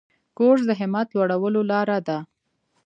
کورس د همت لوړولو لاره ده.